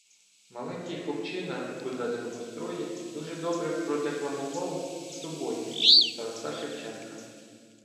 Маленький хлопчина у козацькому строї дуже добре продекламував "Суботів" Тараса Шевченка.